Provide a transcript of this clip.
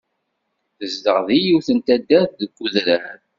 Tezdeɣ deg yiwet n taddart deg udrar.